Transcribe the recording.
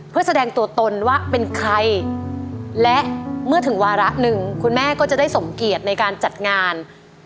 เพื่อแสดงตัวตนว่าเป็นใครและเมื่อถึงวาระหนึ่งคุณแม่ก็จะได้สมเกียจในการจัดงาน